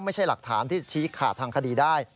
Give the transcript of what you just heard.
ไม่ใช่หลักฐานที่ชี้ขาดทางคดีได้